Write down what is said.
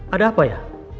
ada apa ya